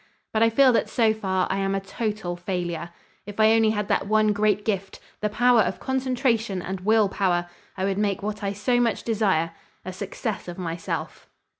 But I feel that so far I am a total failure. If I only had that one great gift, the power of concentration and will power, I would make what I so much desire, a success of myself."